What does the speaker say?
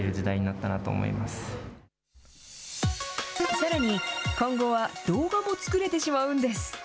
さらに、今後は動画も作れてしまうんです。